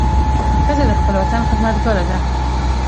ښځه د خپل وطن خدمتګاره ده.